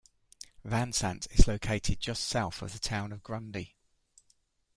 Vansant is located just south of the town of Grundy.